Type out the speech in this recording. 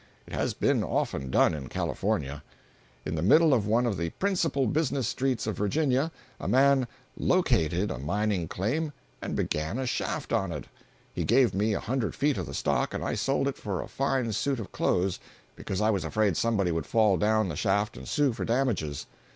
It has been often done in California. In the middle of one of the principal business streets of Virginia, a man "located" a mining claim and began a shaft on it. He gave me a hundred feet of the stock and I sold it for a fine suit of clothes because I was afraid somebody would fall down the shaft and sue for damages.